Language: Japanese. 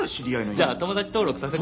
じゃあ友達登録させて。